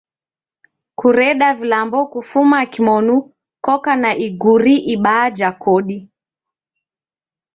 Kureda vilambo kufuma kimonu koko na iguri ibaa ja kodi.